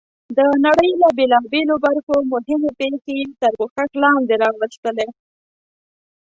د نړۍ له بېلابېلو برخو مهمې پېښې یې تر پوښښ لاندې راوستلې.